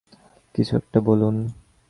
কিছু একটা বলুন।